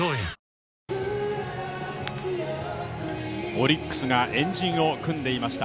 オリックスが円陣を組んでいました。